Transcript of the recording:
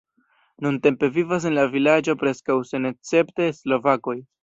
Nuntempe vivas en la vilaĝo preskaŭ senescepte slovakoj.